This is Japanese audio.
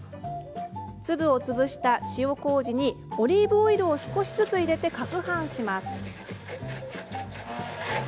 粒を潰した塩こうじにオリーブオイルを少しずつ入れてかくはんします。